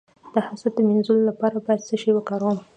د حسد د مینځلو لپاره باید څه شی وکاروم؟